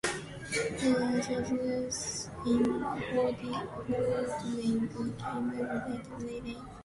Wignall's success in hurdling came relatively late.